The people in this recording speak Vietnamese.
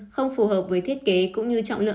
không phù hợp với thiết kế cũng như trọng lượng